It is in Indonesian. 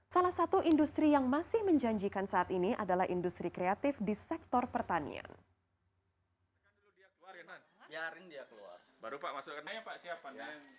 salah satu industri yang masih menjanjikan saat ini adalah industri kreatif di sektor pertanian